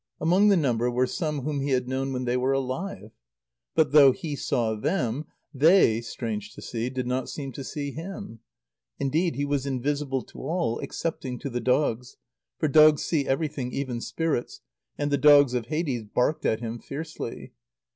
Among the number were some whom he had known when they were alive. But, though he saw them, they, strange to say, did not seem to see him. Indeed he was invisible to all, excepting to the dogs; for dogs see everything, even spirits, and the dogs of Hades barked at him fiercely.